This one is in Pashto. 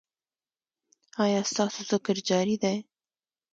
ایا ستاسو ذکر جاری دی؟